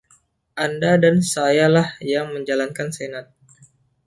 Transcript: Anda dan sayalah yang menjalankan Senat.